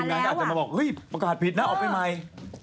แล้วทีมันอาจจะมาบอกเฮ้ยประกาศผิดนะออกไปใหม่